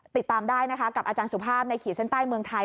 ติดตามได้นะคะกับอาจารย์สุภาพในขีดเส้นใต้เมืองไทย